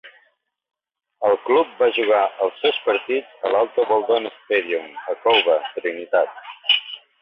El club va jugar els seus partits a l'Ato Boldon Stadium, a Couva, Trinitat.